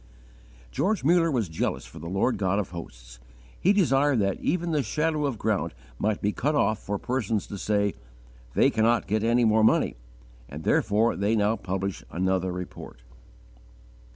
George Muller was jealous for the Lord God of hosts, He desired that "even the shadow of ground might be cut off for persons to say, 'They cannot get any more money; and therefore they now publish another report.'"